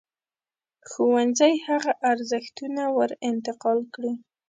ښوونځی هغه ارزښتونه ور انتقال کړي.